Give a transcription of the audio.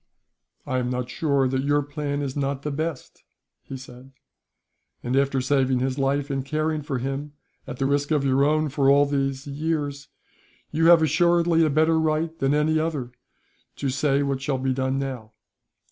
"I am not sure that your plan is not the best," he said, "and after saving his life, and caring for him, at the risk of your own, for all these years, you have assuredly a better right than any other to say what shall be done now.